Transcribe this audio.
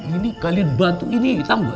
ini kalian bantu ini tau nggak